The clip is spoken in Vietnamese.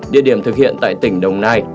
địa điểm thực hiện tại tỉnh đồng nai